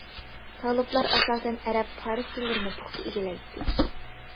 تالىپلار ئاساسەن ئەرەب، پارس تىللىرىنى پۇختا ئىگىلەيتتى.